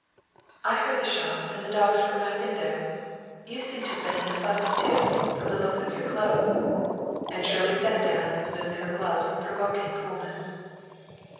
"I heard the shot and the dogs from my window. You seem to have been in a fuss, too, from the looks of your clothes;" and Shirley sat down and smoothed her gloves with provoking coolness.